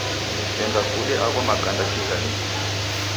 Enda kude agho makanda kijalenyi.